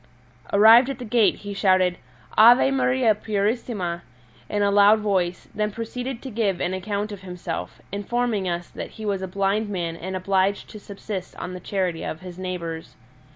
Arrived at the gate he shouted Ave Maria purissima in a loud voice, then proceeded to give an account of himself, informing us that he was a blind man and obliged to subsist on the charity of his neighbours.